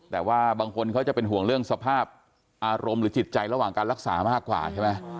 แต่ว่าบางคนเขาจะเป็นห่วงเรื่องสภาพอารมณ์หรือจิตใจระหว่างการรักษามากกว่าใช่ไหม